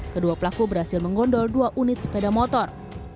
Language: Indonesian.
kedua pelaku berhasil menggondol dua unit sepeda motor